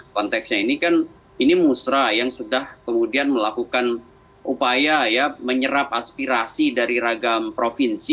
konteksnya ini kan ini musrah yang sudah kemudian melakukan upaya ya menyerap aspirasi dari ragam provinsi